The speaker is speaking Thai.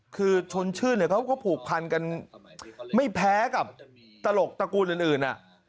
คือชนชื่นเขาก็ผูกพันกันไม่แพ้กับตลกตระกูลอื่น